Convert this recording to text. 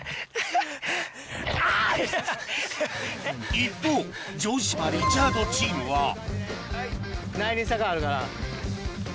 一方城島・リチャードチームは内輪差があるから。